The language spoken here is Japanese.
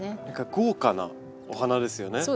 何か豪華なお花ですよね。